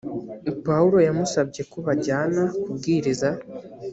pawulo yamusabye ko bajyana kubwiriza